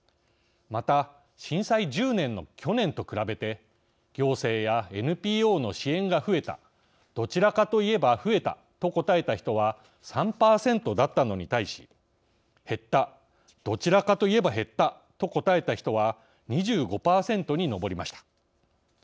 また、震災１０年の去年と比べて行政やＮＰＯの支援が増えたどちらかといえば増えたと答えた人は３％だったのに対し減ったどちらかといえば減ったと答えた人は２５％に上りました。